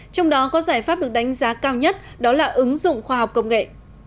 trong đó có giải pháp được đánh giá cao nhất đó là ứng dụng khoa học công nghệ